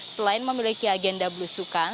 selain memiliki agenda belusukan